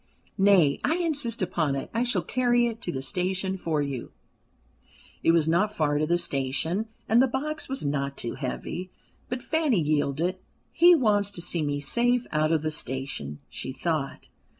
Nay, I insist upon it: I shall carry it to the station for you." It was not far to the station, and the box was not too heavy, but Fanny yielded it. "He wants to see me safe out of the station," she thought.